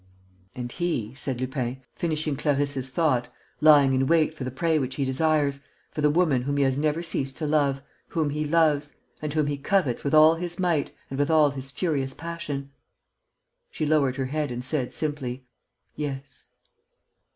"And he," said Lupin, finishing Clarisse's thought, "lying in wait for the prey which he desires ... for the woman whom he has never ceased to love ... whom he loves ... and whom he covets with all his might and with all his furious passion...." She lowered her head and said, simply: "Yes."